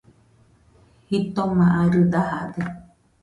Jitoma arɨ dajade